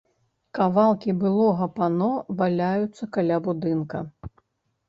Кавалкі былога пано валяюцца каля будынка.